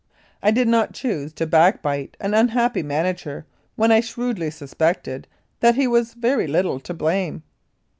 I did not choose to backbite an unhappy manager when I shrewdly suspected that he was very little to blame.